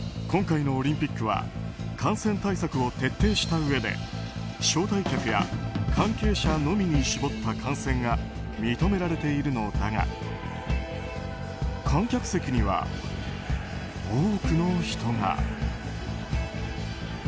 今回のオリンピックは感染対策を徹底したうえで招待客や関係者のみに絞った観戦が認められているのだが観客席には多くの人が。